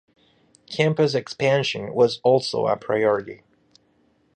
Campus expansion was also a priority.